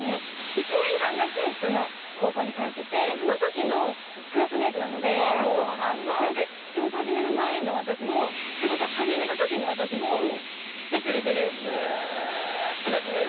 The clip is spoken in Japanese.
１年間だけ普通の高校に通っててその時のクラスメートなのでもう何か仕事始める前の私も仕事始めた時の私も知ってくれてる人たちです。